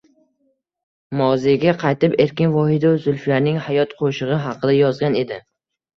Moziyga qaytib: Erkin Vohidov Zulfiyaning hayot qoʻshigʻi haqida yozgan edi...